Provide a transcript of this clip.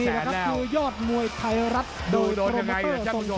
นี่แหละครับคือยอดมวยไทยรัฐโดยโครมเตอร์ส่วนชัย